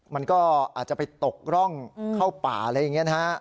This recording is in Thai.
มันก็อาจจะไปตกร่องเข้าป่าอะไรอย่างนี้นะฮะ